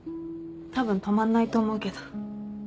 たぶん泊まんないと思うけど。